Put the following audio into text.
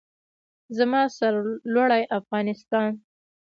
زما سرلوړی افغانستان.